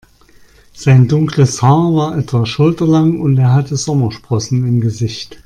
Sein dunkles Haar war etwa schulterlang und er hatte Sommersprossen im Gesicht.